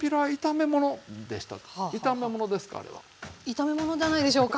炒め物じゃないでしょうか。